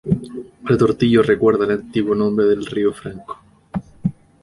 Retortillo recuerda el antiguo nombre del Río Franco.